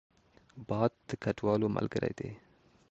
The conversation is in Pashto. باد د کډوالو ملګری دی